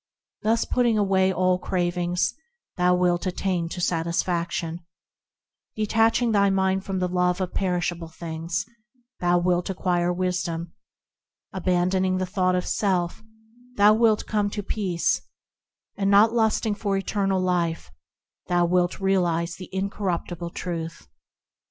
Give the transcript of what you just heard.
Thus putting away all cravings, thou wilt attain to satisfaction; Detaching thy mind from the love of perishable things, thou wilt acquire wisdom; Abandoning the thought of self, thou wilt come to peace ; And not lusting for eternal life, thou wilt realise the incorruptible Truth.